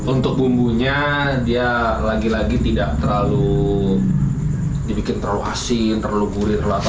untuk bumbunya dia lagi lagi tidak terlalu dibikin terlalu asin terlalu gurih